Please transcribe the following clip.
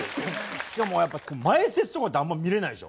しかもやっぱ前説とかってあんま見れないでしょ？